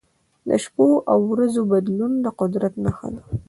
د شپو او ورځو بدلون د قدرت نښه ده.